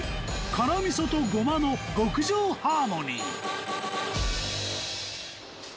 辛味噌とゴマの極上ハーモニー